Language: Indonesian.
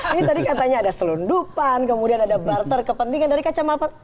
ini tadi katanya ada selundupan kemudian ada barter kepentingan dari kacamata